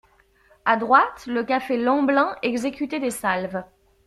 A droite, le café Lemblin exécutait des salves.